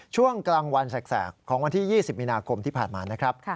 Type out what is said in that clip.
ช่วงกลางวันแสกของวันที่๒๐มีนาคมที่ผ่านมานะครับ